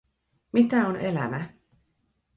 Mitä on elämä?